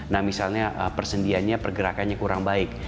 nah misalnya persendiannya pergerakannya kurang baik